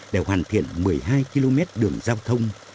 để hoàn thiện một mươi hai km đường giao thông